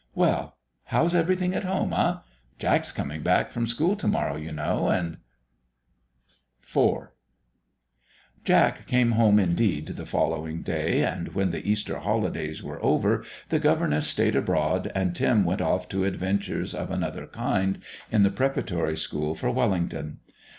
Well how's everything at home eh? Jack's coming back from school to morrow, you know, and ..." 4 Jack came home, indeed, the following day, and when the Easter holidays were over, the governess stayed abroad and Tim went off to adventures of another kind in the preparatory school for Wellington.